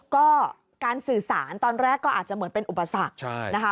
ก็การสื่อสารตอนแรกก็อาจจะเหมือนเป็นอุปสรรคนะคะ